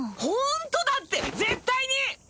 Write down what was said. ほんとだって絶対に！